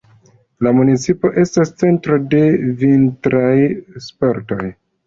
La municipo estas centro de vintraj sportoj.